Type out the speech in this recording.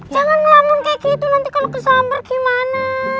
jangan melamun kayak gitu nanti kalau kesabar gimana